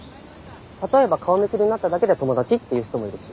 例えば顔見知りになっただけで友達っていう人もいるし。